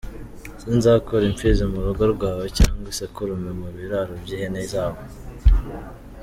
Sinzakura impfizi mu rugo rwawe, Cyangwa isekurume mu biraro by’ihene zawe.